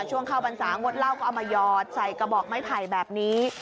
ช่วงเข้าพรรษางดเหล้าก็เอามาหยอดใส่กระบอกไม้ไผ่แบบนี้